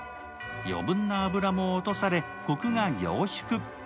余分な脂も落とされ、こくが凝縮。